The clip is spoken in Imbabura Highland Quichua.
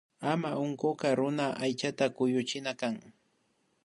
Ama unkunkak runa aychata kuyuchina kan